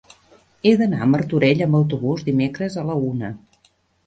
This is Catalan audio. He d'anar a Martorell amb autobús dimecres a la una.